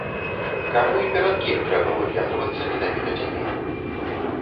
Каму і перад кім трэба выпендрывацца менавіта цяпер?